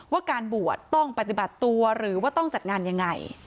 ว่าการบวชต้องปฏิบัติตัวหรือว่าต้องจัดงานยังไง